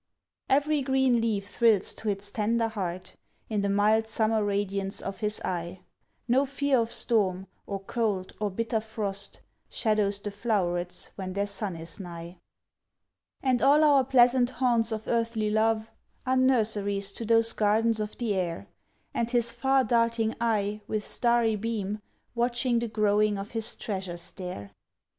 Every green leaf thrills to its tender heart, In the mild summer radiance of his eye; No fear of storm, or cold, or bitter frost, Shadows the flowerets when their sun is nigh. And all our pleasant haunts of earthly love Are nurseries to those gardens of the air; And his far darting eye, with starry beam, Watching the growing of his treasures there.